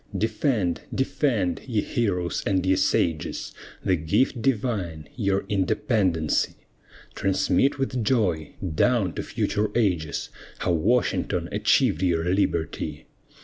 Defend, defend, ye heroes and ye sages, The gift divine your independency! Transmit with joy, down to future ages, How Washington achieved your liberty.